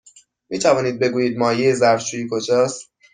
می توانید بگویید مایع ظرف شویی کجاست؟